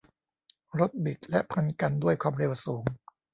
รถบิดและพันกันด้วยความเร็วสูง